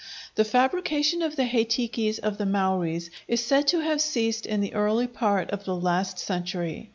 The fabrication of the hei tikis of the Maoris is said to have ceased in the early part of the last century.